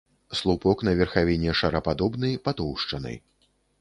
Слупок на верхавіне шарападобны патоўшчаны.